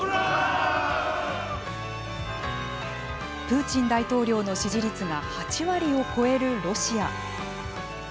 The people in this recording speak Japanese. プーチン大統領の支持率が８割を超えるロシア。